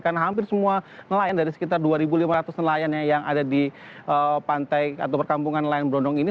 karena hampir semua nelayan dari sekitar dua lima ratus nelayan yang ada di pantai atau perkampungan nelayan brondong ini